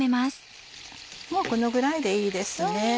もうこのぐらいでいいですね。